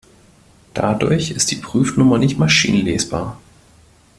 Dadurch ist die Prüfnummer nicht maschinenlesbar.